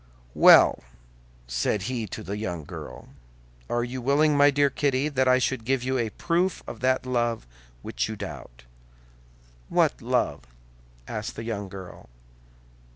"Well," said he to the young girl, "are you willing, my dear Kitty, that I should give you a proof of that love which you doubt?" "What love?" asked the young girl.